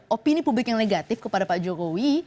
opini publik yang negatif kepada pak jokowi